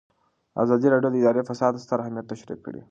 ازادي راډیو د اداري فساد ستر اهميت تشریح کړی.